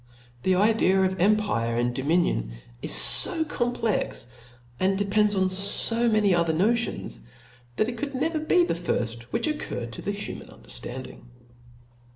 The idea of empire and ; dominion is fo complex, and depends on fo many other notions, that it could never be the firft which occurred to the human underftanding.